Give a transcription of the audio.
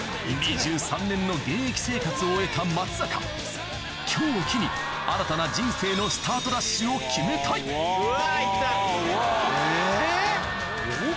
２３年の現役生活を終えた松坂今日を機に新たな人生のスタートダッシュを決めたいうわ行った。